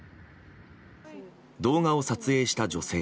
動画を撮影した女性。